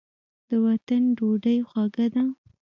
د وطن ډوډۍ خوږه ده.